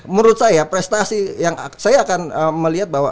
menurut saya prestasi yang saya akan melihat bahwa